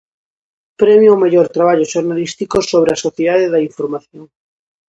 Premio ó mellor traballo xornalístico sobre a Sociedade da Información.